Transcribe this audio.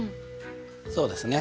そうですね。